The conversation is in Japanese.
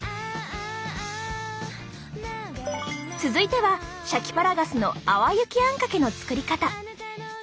続いてはシャキパラガスの淡雪あんかけの作り方。